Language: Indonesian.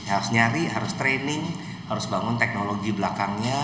harus nyari harus training harus bangun teknologi belakangnya